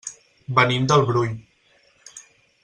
Venim del Brull.